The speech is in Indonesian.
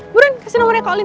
buruan kasih nomornya ke olin